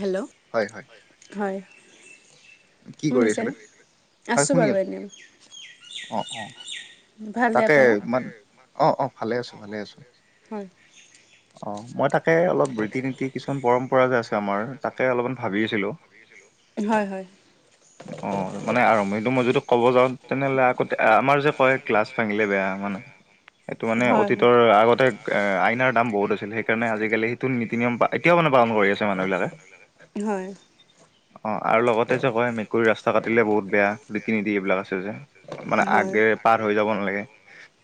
Hello. হয় হয়। হয়। কি কৰি আছিলে? শুনিছেনে? হয়, আছোঁ শুনি বাৰু এনেই। অ', অ'। ভালনে তাকে আপোনাৰ ইমান, অ অ ভালে আছো ভালে আছো। হয়। অ মই তাক তাকে অলপ ৰীতি নীতি কিছুমান পৰম্পৰা যে আছে আমাৰ তাকে অলপমান ভাবি আছিলোঁ। হয় হয়। অ মানে আৰম্ভণিটো মই যদি ক'ব যাওঁ তেনেহ'লে আকৌ আমাৰ যে কয়- ক্লাছ ভাঙিলে বেয়া মানে, সেইটো মানে হয় হয় অতীতৰ আগতে- আইনাৰ দাম বহুত হৈছিল সেইকাৰণে আজিকালি সেইটো নীতি নিয়ম- কিয় মানে পালন কৰি আছে মানুহবিলাকে? মানুহবিলাকে অ আৰু লগতে যে হয় মেকুৰীৰ ৰাস্তা কাটিলে বহুত বেয়া ৰীতি নীতি এইবিলাক আছে যে। মানে আগেৰে পাৰ হৈ যাব নালাগে।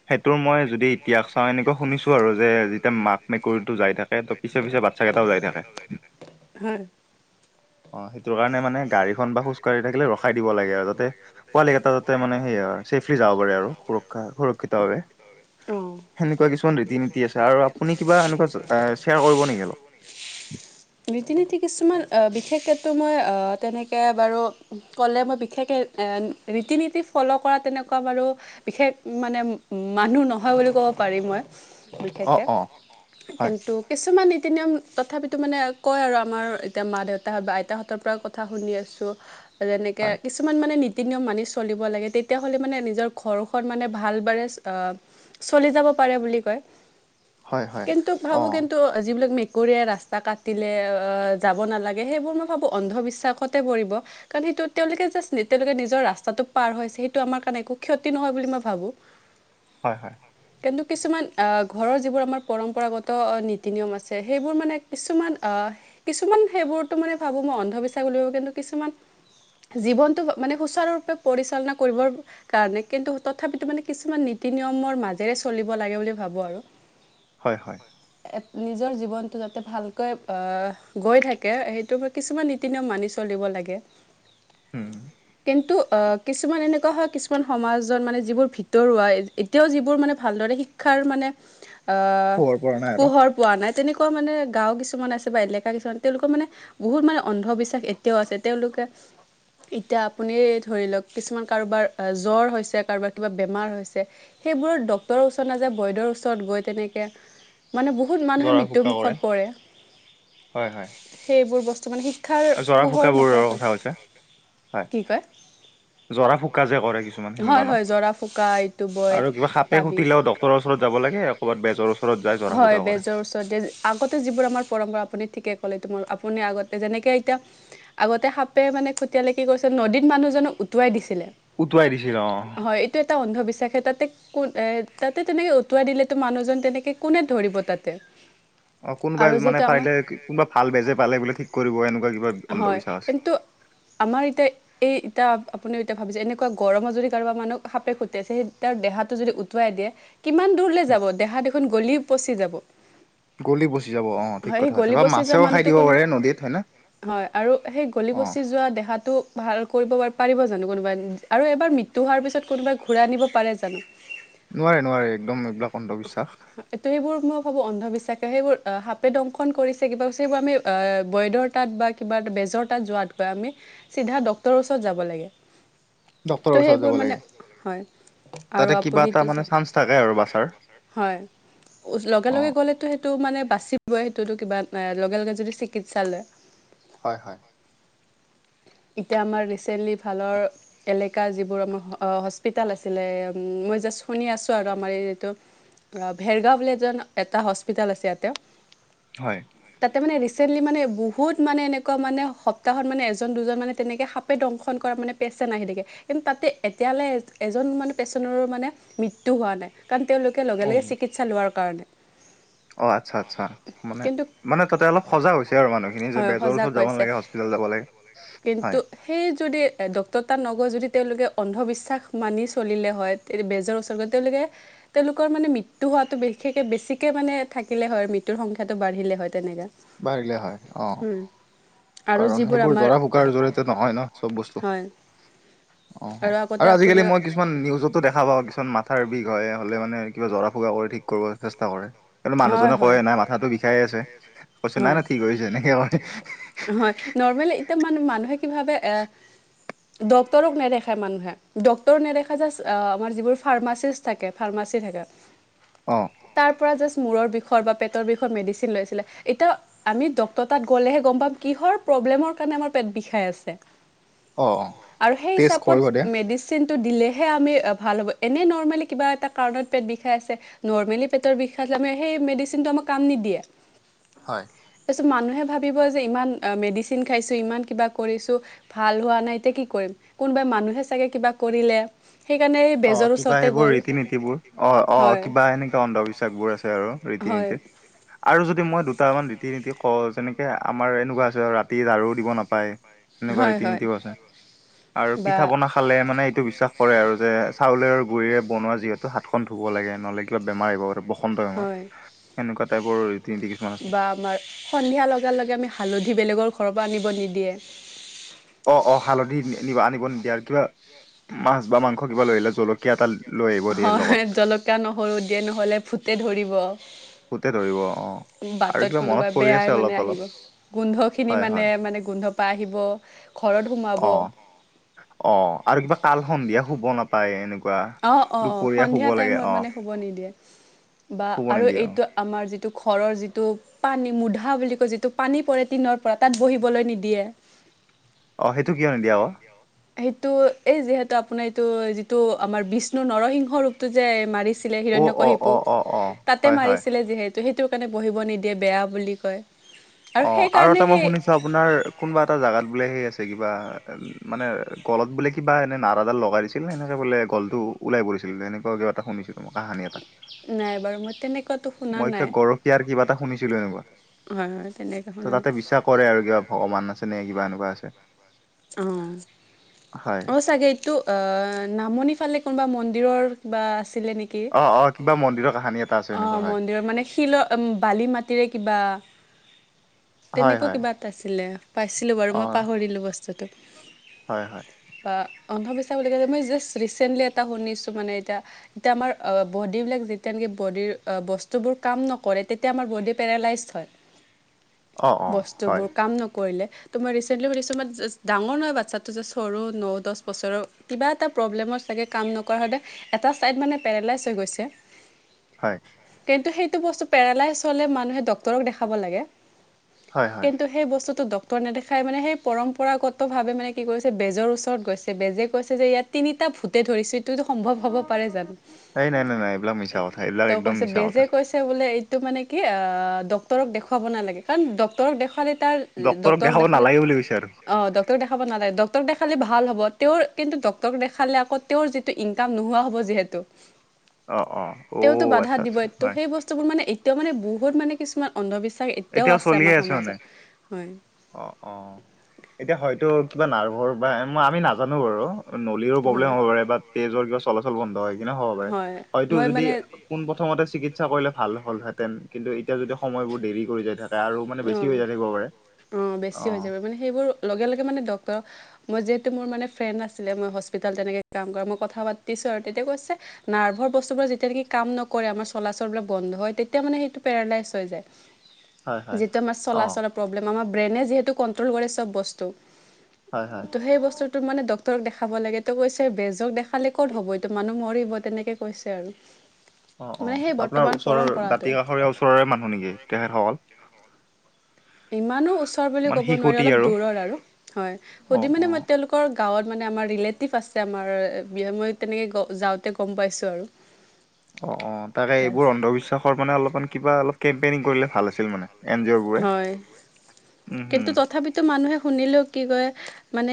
সেইটোৰ মই যদি ইতিয়াস চাই এনেকুৱা শুনিছো আৰু যেতিয়া মাক মেকুৰীতো যাই থাকে- তাক ত পিছে পিছে বাচ্ছা কেইটাও যাই থাকে, হয় অ- সেইটো কাৰণে মানে গাড়ীখন বা খোজ কাঢ়ি থাকিলে ৰখাই দিব লাগে আৰু যাতে- পোৱালি কেইটা যাতে মানে সেই ছেফলি যাব পাৰে আৰু সুৰক্ষা সুৰক্ষিতভাৱে। অ সেনেকুৱা কিছুমান ৰীতি নীতি আছে, আৰু আপুনি কিবা এনেকুৱা শ্বেয়াৰ কৰিব নেকি আৰু? ৰীতি নীতি কিছুমান আহ বিশেষকেতো মই আহ- তেনেকৈ বাৰু ক'লে মই বিশেষকে ৰীতি নীতি ফলৰ কৰা তেনেকুৱা বাৰু। বিশেষ মানে, মানুহ নহয় বুলি ক'ব পাৰিম মই, অ' বিশেষকে। অ' হয় কিন্তু কিছুমান নীতি-নিয়ম তথাপিতো, মানে কয় আৰু আমাৰ এতিয়া মা-দেউতা বা আইতাহঁতৰ পৰা কথা শুনি আছো, যেনেকে হয় কিছুমান মানে নীত ৰীতি- নীতি মানি চলিব লাগে, তেতিয়াহ'লে মানে নিজৰ ঘৰখন মানে ভাল বাৰে চলি যাব পাৰে বুলি কয়, হয় হয় কিন্তু অ' ভাবো কিন্তু, যিবিলাক মেকাপ মেকুৰীয়ে ৰাস্তা কাটিলে, যাব নালাগে, সেইবোৰ মই ভাবোঁ অন্ধবিশ্বাসতে পৰিব। কাৰণ সেইটো তেওঁলোকে‌ জাষ্ট, তেওঁলোকে নিজৰ ৰাস্তাটো পাৰ হৈছে, সেইটো আমাৰ কাৰণে একো ক্ষতি নহয় বুলি মই ভাবোঁ। হয়, হয়। কিন্তু কিছুমান, আ, ঘৰৰ যিবোৰ আমাৰ পৰম্পৰাগত নীতি- নিয়ম আছে সেইবোৰ মানে। কিছুমান আহ, কিছুমান সেইবোৰতো মানে ভাবো মই অন্ধবিশ্বাস বুলি ভাবো কিন্তু কিছুমান জীৱনটো মানে, সুচাৰুৰূপে পৰিচালনা কৰিবৰ। কাৰণে কিন্তু তথাপিতো মানে, কিছুমান নীতি-নিয়মৰ মাজেৰে চলিব লাগে বুলি ভাবো আৰু। হয়, হয়। এই, নিজৰ-জীৱনটো যাতে ভালকৈ আহ, গৈ থাকে সেইটো কিছুমান মানি চলিব লাগে, উম। কিন্তু অ, কিছুমান এনেকুৱা হয়, কিছুমান। কিছুমান সমাজত মানে যিবোৰ ভিতৰুৱা, এতিয়াও যিবোৰ মানে ভালদৰে শিক্ষাৰ মানে। আ, পোহৰ পৰা নাই আৰু পোহৰ পোৱা নাই, তেনেকুৱা মানে গাওঁ কিছুমান আছে, বা এলেকা কিছুমান, তেওঁলোকৰ মানে বহুত মানে। অন্ধবিশ্বাস এতিয়াও আছে, তেওঁলোকে। এতিয়া আপুনি ধৰি লওক, কিছুমান কাৰোবাৰ জ্বৰ হৈছে, কাৰোবাৰ কিবা বেমাৰ হৈছে। সেইবোৰত ডক্টৰৰ ওচৰত নাযায়, বয়দৰ ওচৰত গৈ তেনেকে, মানে বহু। বহুত মানুহে জৰা ফুকা কৰে মৃত্যুমুখত পৰে। হয় হয়। সেইবোৰ বস্তু মানে শ শিক্ষাৰ জৰা পোহৰ ফুকাবোৰৰ নপৰে, কথা ফালে। কৈছে হয় কি কয়? জৰা ফুকা যে কৰে কিছুমান সেনেকুৱা হয়, ন? হয়, জৰা ফুকা, এইটো আৰু কিবা সাপে বিয়-তাৰপিছত খুটিলেও ডক্তৰৰ ওচৰত যাব লাগে ক'ৰবাত বেজৰ ওচৰত যায় জৰা হয়, ফুকা কৰে বেজৰ ওচৰতে আগতে যিবোৰ আমাৰ পৰম্পৰা, আপুনি ঠিকে ক'লে, তোমাৰ আপুনি আগতে যেনেকে তাকে এতিয়া, আগতে সাপে, মানে খতিয়ালে কি কৰিছিলে, নদীত মানুহজনক উটুৱাই দিছিলে। উটুৱাই দিছিল অ হয়, এইটো এটা অন্ধবিশ্বাসে তাতে। কোন এ, তাতে তেনেকে উটুৱাই দিলেতো, মানুহজন তেনেকে কোনে ধৰিব তাতে। অ, কোনোবাই আৰু মানে যিহেতু আমাৰ পাৰিলে, কোনোবা ভাল বেজে পালে বোলে ঠিক কৰিব, এনেকুৱা কিবা হয় অন্ধবিশ্বাস আছে। কিন্তু আমাৰ, এতিয়া। এই এতিয়া আপুনি এতিয়া ভাবিছে, এনেকুৱা গৰমত যদি কাৰোব মানুহ সাপে খুটিয়াইছে, সেই তেওঁৰ দেহাটো যদি উটুৱাই দিয়ে, কিমান দূৰলৈ যাব দেহা দেখোন গলি-পচি যাব। গলি-পচি যাব অ, ঠিক হয় সেই কথা কৈছা, গলি বা পচি যোৱা মাছেও খাই মানুহটো দিব কোনো পাৰে নদীত হয় না? হয়, আৰু সেই অ গলি-পচি যোৱা দেহাটো ভাল কৰিব পাৰিব জানো কোনোবাই, আৰু এবাৰ মৃত্যু হোৱাৰ পিছত কোনোবাই ঘূৰাই আনিব পাৰে জানো। নোৱাৰে, নোৱাৰে একদম এইবিলাক অন্ধবিশ্বাস। ত, সেইবোৰ মই ভাবো, অন্ধবিশ্বাস। সেইবোৰ সাপে দংশন কৰিছে কিবা সেইবোৰ আমি বৈদৰ তাত বা কিবা এটা বেজৰ তাত যোৱাতকৈ আমি, চিধা ডক্তৰৰ ওচৰত যাব লাগে। ত, ডক্তৰৰ ওচৰত সেইবোৰ যাব মানে, লাগে হয়। তাতে আৰু কিবা এটা আপনিটো মানে চান্স থাকে আৰু বাচাৰ হয়, লগে অ লগে গ'লেতো টো, মানে বাচিবই সেইটোতো কিবা ন, লগে লগে যদি চিকিৎসালয়। হয়, হয়। এতিয়া আমাৰ ৰিচেণ্টলি, ভালৰ। এলেকা যিবোৰ, আমাৰ হস্পিতাল আছিলে, মই জাষ্ট শুনি আছোঁ আৰু আমাৰ এইটো। ভেৰগাঁও বুলি এজন এটা হস্পিতাল আছে ইয়াতে। হয়। তাতে মানে ৰিচেণ্টলি মানে বহুত মানে এনেকুৱা মানে সপ্তাহত মানে এজন দুজন। মানে তেনেকৈ সাপে দংশন কৰা মানে পেচন আহি থাকে। কিন্তু তাতে এতিয়ালৈ এজন মানে পেচেণ্টৰ মানে মৃত্যু হোৱা নাই। কাৰণ তেওঁলোকে অ লগে লগে চিকিৎসা লোৱাৰ কাৰণে। অ আচ্ছা আচ্ছা মানে কিন্তু মানে তাতে অলপ সজাগ হৈছে। আৰু মানুহখিনি যে হয় বেজৰ সজাগ ওচৰত যাব হৈছে নালাগে সচ যাব লাগে। কিন্তু হয় সেই যদি ডক্টৰতাত নগৈ যদি তেওঁলোকে অন্ধবিশ্বাস মানি চলিলে হয়। বেজৰ ওচৰত তেওঁলোকে তেওঁলোকৰ মানে মৃত্যু হোৱাটো বিশেষকে বেছিকে মানে থাকিলে হয় মৃত্যুৰ সংখ্যাটো বাঢ়িলে হয়। তেনেকে। বাঢ়িলে হয়। অ। আৰু কাৰণ যিবোৰ সেইবোৰ আমাৰ জৰা জৰিয়তে নহয় ন চব বস্তু। হয় অ আগতে আৰু আজিকালি আপোনাৰ মই কিছু কিছুমান নিউজতো দেখা পাওঁ কিছুমান মাথাৰ বিষ হয়। হ'লে মানে কিবা জৰা ফুকা কৰি ঠিক কৰিব চেষ্টা কৰে। কৰে। মানুহজনে কয় নাই মাথাটো বিষাইে আছে। কৈছে নাই মই নাই ঠিক হৈছে এনেকে কয়। হয় নৰ্মেলি এতিয়া মানু মানুহে কি ভাবে ডক্টৰক নেদেখায় মানুহে ডক্তৰক নেদেখা জাষ্ট আমাৰ যিবোৰ ফাৰ্মাচিষ্ট থাকে ফাৰ্মাচী থাকে অ। তাৰ পৰা জাষ্ট মূৰৰ বিষৰ বা পেটৰ বিষত মেডিচিন লৈছিলে এতিয়া আমি ডক্টৰ তাত গ'লে হে কিহৰ কাৰনত পেট বিষাই আছে। অ অ আৰু সেই টেষ্ট কৰিব দে হিচাপত মেডিচিন চিনটো দিলেহে আমি ভাল হ'ব। এনেই নৰ্মেলি কিবা এটা কাৰণত পেট বিষাই আছে নৰ্মেলি পেটৰ বিষত সেই মেডিচিনটো আমাক কাম নিদিয়ে। হয়। তাৰপিছত মানুহে ভাবিব যে ইমান মেডিচিন খাইছোঁ ইমান কিবা কৰিছোঁ ভাল হোৱা নাই এতিয়া কি কৰিম কোনোবাই মানুহে চাগে কিবা কৰিলে। সেইকাৰণে এই অ বেজৰ কিবা ওচৰতে এইবোৰ গ'ল ৰীতি-নীতি বোৰ অ অ হয় হয় হয় হয় কিবা এনেকে এনেকুৱা অন্ধবিশ্বাস বোৰ আছে অন্ধবিশ্বাসবোৰ আৰু ৰীতি-নীতিত। ৰীতি আৰু যদি মই দুটামান ৰীতি-নীতি কওঁ যেনেকে আমাৰ এনেকুৱা আছে ৰাতি লাৰু দিব নাপায়। সেনেকুৱা নীতি ৰীতি-নীতিও ৰীতি আছে। নীতিবোৰ আৰু বা পিঠা-পনা পিঠা খালে মানে এইটো বিশ্বাস কৰে আৰু যে চাউলৰ গুৰিৰে বনোৱা যিহেতু হাতখন ধুব লাগে। নহ'লে কিবা বেমাৰ আহিব। বসন্তই আমাৰ হয় এনেকুৱা টাইপৰ ৰীতি-নীতি কিছুমান আছে। বা আমাৰ সন্ধিয়া লগা লগে আমি হালধি বেলেগৰ ঘৰৰ পৰা আনিব নিদিয়ে। অ অ হালধি নিব আনিব নিদিয়া আৰু কিবা মাছ বা মাংস কিবা লৈ আহে জলকীয়া। এটা লৈ আহিব দিয়ে লগত হয় জলকীয়া-নহৰু দিয়ে নহলে ভূতে ধৰিব। ভূতে ধৰিব অ। আৰু বাটত কিবা কোনোবা মনত পৰি বেয়াই আছে মানে অলপ অলপ আহিব। গোন্ধখিনি হয় মানে হয় মানে গোন্ধপাই আহিব ঘৰত সোমাব অ অ আৰু কিবা কাল সন্ধিয়া শুব নাপ অ অ অ সন্ধিয়া লাগে টাইমত অ মানে শুব নিদিয়ে। বা শুব আৰু নিদিয়ে অ এইটো আমাৰ যিটো ঘৰৰ যিটো পানী মুধা বুলি কয় যিটো পানী পৰে টিনৰ পৰা তাত বহিবলৈ নিদিয়ে। অ সেইটো কিয় নিদিয়ে আকৌ। সেইটো, এই যিহেতু আপোনাৰ এইটো যিটো, আমাৰ বিষ্ণু নৰসিংহ ৰূপটো যে মাৰিছে অ হিৰণ্য অ অ কশিপু, অ অ তাতে হয় হয় মাৰিছিলে যিহেতু, সেইটো কাৰণে বহিব নিদিয়ে বেয়া বুলি কয়। অ, আৰু সেইকাৰণে এটা মই সেই শুনিছো আপোনাৰ কোনোবা এটা জাগাত বোলে সেই আছে কিবা মানে গলত বোলে কিবা এনে নাৰাডাল লগাই দিছিলে, এনেকে বোলে গলটো ওলাই পৰিছিল তেনেকুৱা কিবা এটা শুনিছিলো। কাহানি এটা, নাই বাৰু মই তেনেকুৱাতো শুনা মই কিবা নাই গৰখীয়াৰ কিবা এটা শুনিছিলো এনেকুৱা। শুনিছিলোঁ আৰু। হয়, হয়। তেনেকে ত' শুনা নাই তাতে বিশ্বাস কৰে আৰু কিবা ভগৱান আছে নে, কিবা এনেকুৱা আছে। অ। হয় অ, চাগে এইটো অ, নামনি ফালে কোনোবা মন্দিৰৰ বা আছিলে নেকি? অ, অ। কিবা মন্দিৰৰ কাহিনী এটা আছে অ এনেকুৱা হয়। মন্দিৰৰ মানে শিলত বালি মাটিৰে কিবা হয় তেনেকুৱা হয় কিবা এটা আছিলে, পাইছিলোঁ বাৰু, অ মই পাহৰিলোঁ বস্তুটো। হয়, হয়। অন্ধবিশ্বাস বুলি কলে, মই জাষ্ট ৰিছেণ্টলি এটা শুনিছোঁ মানে এতিয়া, এতিয়া আমাৰ বডিবিলাক যেতিয়ানেকি বডিৰ বস্তুবোৰ কাম নকৰে, তেতিয়া আমাৰ বডি পেৰালাইজ হয়। [inaudible] অ হয় বস্তুবোৰ কাম নকৰিলে ত' মই ৰিচেণ্টলি সুধিছোঁ মই, ডাঙৰ নহয় বাচ্ছাটো যে চৰু ন, দহ বছৰৰ, কিবা এটা প্ৰব্লেমত চাগে কাম নকৰা হ'লে, এটা ছাইড মানে পেৰেলাইজ হৈ গৈছে। হয়। কিন্তু সেইটো বস্তু পেৰালাইজ হলে মানুহে ডাক্তৰক দেখাব লাগে। হয় হয় কিন্তু সেই বস্তুটো ডক ত্তৰ নদেখাই মানে সেই, পৰম্পৰাগতভাৱে মানে কি কৰিছে, বেজৰ ওচৰত গৈছে। বেজে কৈছে যে ইয়াত তিনিটা ভূতে ধৰিছে, এইটো, এইটো সম্ভৱ হ'ব পাৰে জানো? হেই নাই, নাই, নাই, এইবিলাক মিছা কথা, এইবিলাক তেওঁ একদম কৈছে মিছা কথা। বেজে কৈছে বোলে এইটো মানে কি অ, ডাক্তৰক দেখুৱাব নালাগে, কাৰণ ডাক্তৰক দেখুৱালে তাৰ ডক্তৰক ডাক্তৰক দেখাব দেখালে নালাগে বুলি কৈছে আৰু অ, ডাক্তৰক দেখাব নালাগে, ডাক্তৰক দেখালে ভাল হ'ব, তেওঁৰ কিন্তু ডাক্তৰক দেখালে আকৌ তেওঁৰ যিটো ইনকাম, নোহোৱা হ'ব যিহেতু অ, অ। অ তেওঁটো বাধা আচ্ছা আচ্ছা দিবই, ত' হয় সেই বস্তুবোৰ মানে এতিয়াও মানে বহুত মানে কিছুমান অন্ধবিশ্বাস এতিয়াও আছে আমাৰ সমাজত, হয়। অ, অ। এতিয়া হয়টো কিবা নাৰ্ভৰ বা মই আমি নাজানো বাৰু। নলীৰো প্ৰব্লেম হয় হ'ব পাৰে, বা তেজৰ কিবা চলাচল বন্ধ হৈ কিনেও হ'ব পাৰে। হয় হয়টো মই যদি মানে পোনপ্ৰথমতে চিকিৎসা কৰিলে ভাল হ'লহেঁতেন, কিন্তু এতিয়া যদি সময়বোৰ দেৰি কৰি যায় তাহ তে আৰু মানে বেছি অঁ হৈ যায় থাকিব পাৰে, অঁ অ। বেছি হৈ যাব মানে সেইবোৰ লগে, লগে মানে ডাক্তৰক মই যিহেতু, মোৰ মানে ফ্ৰেণ্ড আছিলে মই হস্পিতল তেনেকে কাম কৰা, মই কথা পাতিছোঁ আৰু তেতিয়া কৈছে নাৰ্ভাৰ বস্তুবোৰ যেতিয়া নেকি কাম নকৰে, আমাৰ চলাচলবিলাক বন্ধ হয়, তেতিয়া মানে সেইটো পেৰালাইজ হৈ যায়। হয় হয়। যিটো আমাৰ অ চলা চলৰ প্ৰব্লেম, আমাৰ ব্ৰেইনে যিহেতু কন্ট্ৰল কৰে চব বস্তু হয় হয় ত' সেই বস্তু টো মানে ডাক্তৰক দেখাব লাগে ত' কৈছে, বেজক দেখালে ক'ত হ'ব এইটো, মানুহ মৰিব তেনেকে কৈছে আৰু। অ, অ। মানে সেই বৰ্তমান আপোনাৰ ওচৰৰ পৰম্পৰাটো দাঁতি কাষৰীয়া ওচৰৰে মানুহ নেকি, তেখেতসকল? ইমানো ওচৰ বুলি মানে ক'ব নোৱাৰি, শিশুটি অলপ দূৰৰ আৰু হয়। অ সুধি অ মানে মই তেওঁলোক গাঁৱত মানে আমাৰ ৰিলেটিভ আছে আমাৰ বিয়া মই তেনেকৈ যাওঁতে গম পাইছোঁ আৰু। [inaudible] অ', অ', তাকে এইবোৰ অন্ধবিশ্বাসৰ মানে অলপমান কিবা অলপ কেম্পেইনিং কৰিলে ভাল আছিল মানে। এন জি অ' বোৰে। হয় কিন্তু তথাপিতো মানুহে শুনিলেও কি কয় মানে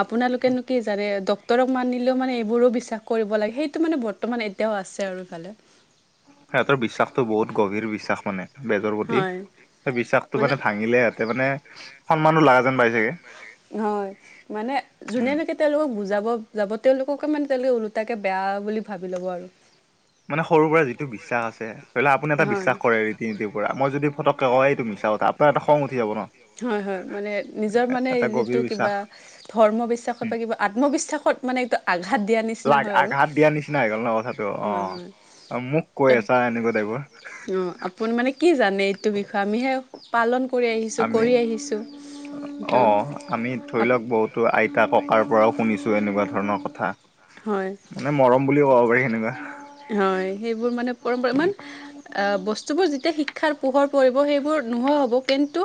আপোনালোকেনো কি জানে ডক্তৰক মানিলেও মানে এইবোৰো বিশ্বাস কৰিব লাগে সেইটো মানে বৰ বৰ্তমান এতিয়াও আছে আৰু ইফালে। সিহঁতৰ বিশ্বাসতটো বহুত গভীৰ বিশ্বাস মানে বেজৰ প্ৰতি হয় সেই বিশ্বাসতটো মানে ভাঙিলেহত ত মানে সন্মানো লাগা যেন পাই চাগে। হয় মানে। যোনে লৈকে তেওঁলোকক বুজাব যাব তেওঁলোককে মানে তেওঁলোকে ওলোটাকে বেয়া বুলি ভাবি ল'ব আৰু। মানে সৰুৰ পৰা যিটো বিশ্বাস আছে ধৰি ললে আপুনি এটা হয় বিশ্বাস কৰে। তিনিটিৰ পৰা ম ই যদি ফটকৈওঁ এই তো মিছা কথা। আপোনাৰ এটা খং উঠি যাব ন হয়, হয় মানে নিজৰ মানে এটা যিটো গভীৰ বিশ্বাস কিবা ধৰ্ম বিশ্বাসত কিবা আত্মবিশ্বাসত মানে এইটো আঘাত দিয়া নিচনা লা আঘাত দিয়া নিচিনা হৈ গ'ল নহ কথাটো হয়, হয়। অ', মোক কৈ আছা এনেকুৱা টাইপৰ আপ মানে কি জানে এইটো বিষয়ে আমিহে পালন কৰি আহিছোঁ, আমি কৰি আহিছোঁ অ ত আমি ধৰি লওঁক আপ- বহুতো আইতা ককাৰ পৰাও শুনিছোঁ এনেকুৱা ধৰণৰ কথা হয়, মানে মৰম বুলিুলও কব পাৰি সেনেকুৱা হয় সেইবোৰ মানে পৰম্পৰা ইমান আহ বস্তুবোৰ যেতিয়া শিক্ষাৰ পোহৰ পৰিব সেইবোৰ নোহোৱা হ'ব কিন্তু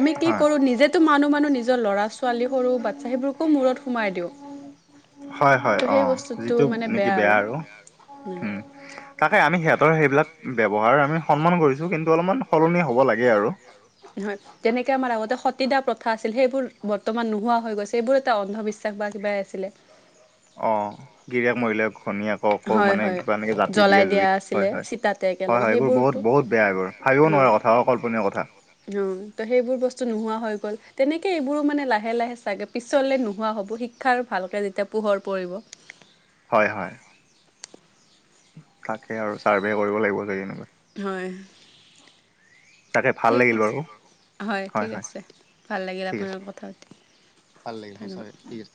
আমি কি হয় কৰোঁ নিজেতো মানু, মানু নিজৰ ল'ৰা ছোৱালী সৰু বাচ্ছা সেইবোৰকো মূৰত সোমাই দিওঁ। হয়, হয় ত' সেই অ', বস্তুটো যিটো মানে নেকি বেয়া আৰু উম। তাকে আমি সিহঁতৰ সেইবিলাক ব্যৱহাৰ আমি সন্মান কৰিছোঁ কিন্তু অলপমান সলনি হ'ব লাগে আৰু। নহয়। যেনেকে আমাৰ আগতে সতীদা প্ৰথা আছিল সেইবোৰ বৰ্তমান নোহোৱা হৈ গৈছে সেই বোৰ এটা অন্ধবিশ্বাস বা কিবাই আছিলে। অ', গিৰিয়ক মৰিলে ঘৈনীয়েক আকৌ হয় মানে হয় কিবা এনেকৈ জাতি দিয়ে জ্বলাই দিয়া জুইত হয়, আছিলে হয়, হয়, চিতাতে একেলগে হয় এইবোৰ সেইবোৰতো বহুত বহুত বেয়া এইবাৰ। ভাবিব হয় নোৱাৰা কথা অ', কল্পনীয় কথা। অ', তো সেইবোৰ বস্তু নোহোৱা হৈ গ'ল তেনেকৈ এইবোৰো মানে লাহে, লাহে চাগে পিছলৈ নোহোৱা হ'ব গৈ। শিক্ষাৰ ভালকে যেতিয়া পোহৰ পৰিব। হয়, হয়। তাকে আৰু চাৰ্ভে কৰিব লাগিব যে এনেকুৱা। হয় তাকে ভাল ঠিক লাগিল আছে, বাৰু হয় ঠিক আছে। ভাল লাগিল ঠিক আপোনাৰ আছে। লগত কথা পাতি। ভাল লাগিল ধন্যবাদ সঁচাকৈ ঠিক আছে।